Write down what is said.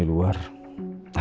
saya sudah tersenyum